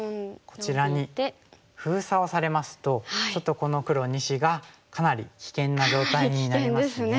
こちらに封鎖をされますとちょっとこの黒２子がかなり危険な状態になりますね。